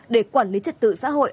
để quản lý trật tự xã hội